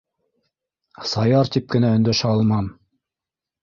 Саяр тип кенә өндәшә алмам!